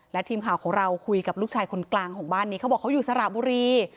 และทีมข่าวของเราคุยกับลูกชายคนกลางของบ้านนี้เขาบอกเขาอยู่สระบุรี